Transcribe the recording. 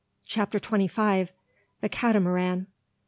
CHAPTER TWENTY FIVE. THE CATAMARAN.